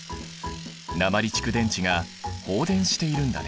鉛蓄電池が放電しているんだね。